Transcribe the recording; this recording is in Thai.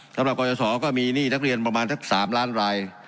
กรยศก็มีหนี้นักเรียนประมาณสัก๓ล้านราย